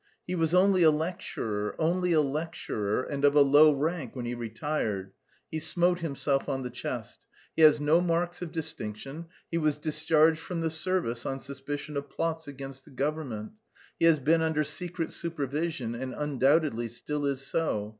"He was only a lecturer, only a lecturer, and of a low rank when he retired." He smote himself on the chest. "He has no marks of distinction. He was discharged from the service on suspicion of plots against the government. He has been under secret supervision, and undoubtedly still is so.